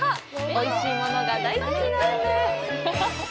おいしいものが大好きなんです！